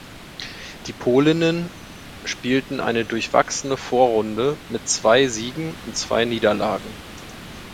Die Polinnen spielten eine durchwachsene Vorrunde mit zwei Siegen und zwei Niederlagen.